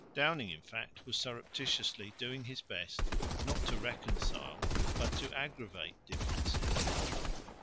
Downing in fact was surreptitiously doing his best not to reconcile, but to aggravate differences.